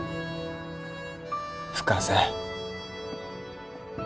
深瀬